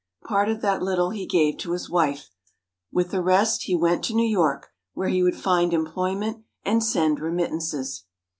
Part of that little he gave to his wife; with the rest, he went to New York, where he would find employment and send remittances.